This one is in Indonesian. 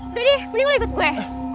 udah deh mending lo ikut gue